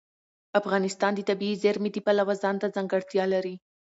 افغانستان د طبیعي زیرمې د پلوه ځانته ځانګړتیا لري.